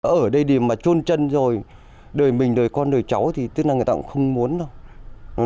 ở đây điểm mà trôn chân rồi đời mình đời con đời cháu thì tức là người ta cũng không muốn đâu